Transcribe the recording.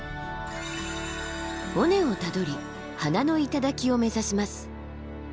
尾根をたどり花の頂を目指します。